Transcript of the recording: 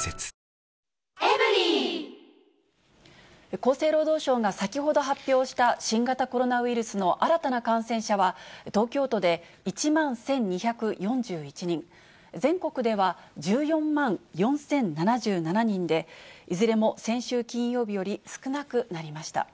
厚生労働省が先ほど発表した新型コロナウイルスの新たな感染者は、東京都で１万１２４１人、全国では１４万４０７７人で、いずれも先週金曜日より少なくなりました。